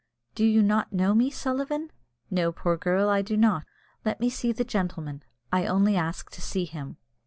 "Do you not know me, Sullivan?" "No, poor girl, I do not." "Let me see the gentleman. I only ask to see him."